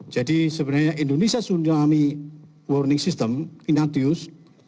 jadi sebenarnya indonesia tsunami warning system inantius